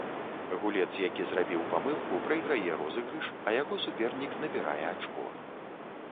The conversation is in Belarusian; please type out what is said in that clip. Гулец, які зрабіў памылку, прайграе розыгрыш, а яго супернік набірае ачко.